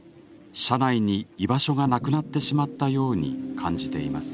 社内に居場所がなくなってしまったように感じています。